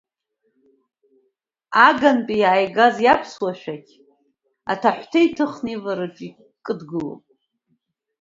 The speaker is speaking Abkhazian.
Агантәи иааигаз иаԥсуа шәақь аҭыҳәҭа иҭыхны ивараҿы икыдгылоуп.